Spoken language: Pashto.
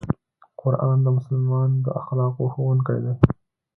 قرآن د مسلمان د اخلاقو ښوونکی دی.